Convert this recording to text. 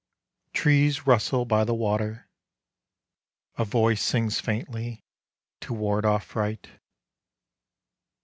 Trees rustle by the water. A voice sings Faintly, to ward off fright.